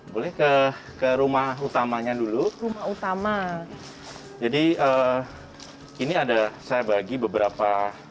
boleh ke rumah utamanya dulu rumah utama jadi ini ada saya bagi beberapa